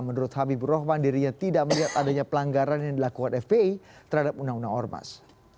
menurut habibur rahman dirinya tidak melihat adanya pelanggaran yang dilakukan fpi terhadap undang undang ormas